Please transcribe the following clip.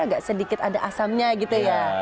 agak sedikit ada asamnya gitu ya